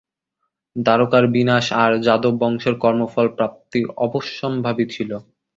দ্বারকার বিনাশ আর যাদব বংশের কর্মফল প্রাপ্তি অবশ্যম্ভাবী ছিল।